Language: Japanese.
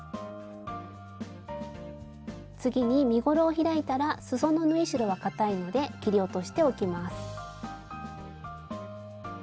次に身ごろを開いたらすその縫い代はかたいので切り落としておきます。